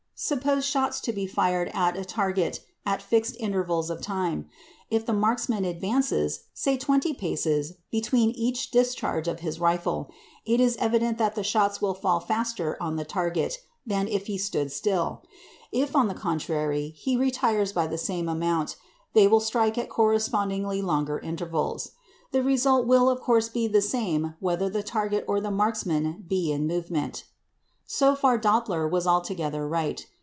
Suppose shots to be fired at a target at fixed intervals of time. If the marksman advances, say twenty paces between each discharge of his rifle, it is evident that the shots will fall faster on the target than if he stood still; if, on the contrary, he retires by the same amount, they will strike at correspondingly longer intervals. The result will of course be the same whether the target or the marksman be in movement. So far Doppler was altogether right.